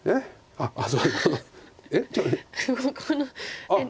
あっそう！